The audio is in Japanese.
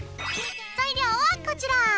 材料はこちら。